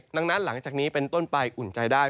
ดังนั้นหลังจากนี้เป็นต้นไปอุ่นใจได้